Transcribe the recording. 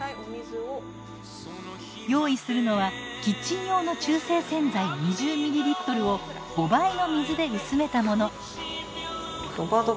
用意するのはキッチン用の中性洗剤２０ｍｌを５倍の水で薄めたもの。